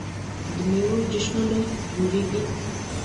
د میوو جشنونه جوړیږي.